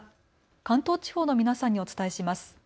関東地方の皆さんにお伝えします。